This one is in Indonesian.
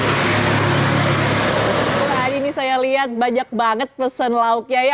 nah ini saya lihat banyak banget pesen lauknya ya